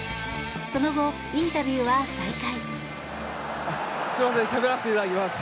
その後、インタビューは再開。